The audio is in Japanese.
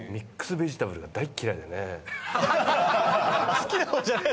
好きな方じゃない？